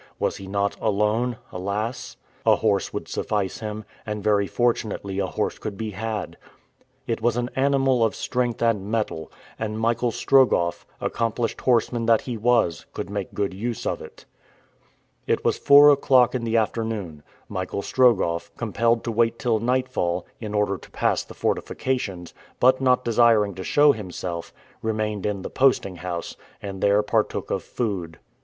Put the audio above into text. Was he not alone, alas? A horse would suffice him; and, very fortunately, a horse could be had. It was an animal of strength and mettle, and Michael Strogoff, accomplished horseman as he was, could make good use of it. It was four o'clock in the afternoon. Michael Strogoff, compelled to wait till nightfall, in order to pass the fortifications, but not desiring to show himself, remained in the posting house, and there partook of food.